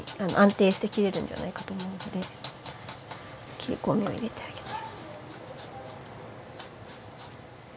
切りこみを入れてあげて。